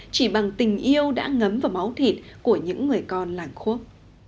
chỉ bằng tình yêu đã ngấm vào máu thịt của những người con làng khuốc